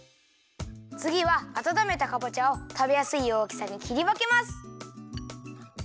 つぎはあたためたかぼちゃをたべやすいおおきさにきりわけます。